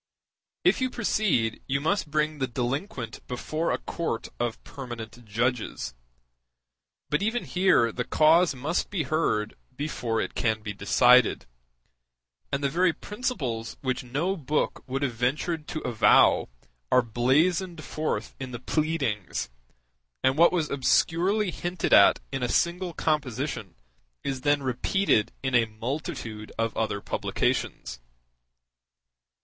If you proceed, you must bring the delinquent before a court of permanent judges. But even here the cause must be heard before it can be decided; and the very principles which no book would have ventured to avow are blazoned forth in the pleadings, and what was obscurely hinted at in a single composition is then repeated in a multitude of other publications.